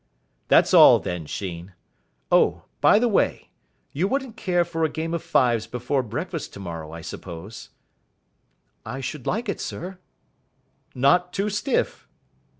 "That's all, then, Sheen. Oh, by the way, you wouldn't care for a game of fives before breakfast tomorrow, I suppose?" "I should like it, sir." "Not too stiff?"